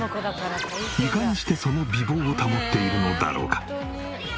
いかにしてその美貌を保っているのだろうか？